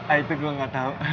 ah itu gue nggak tahu